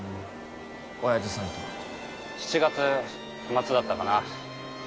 親父さんと７月末だったかな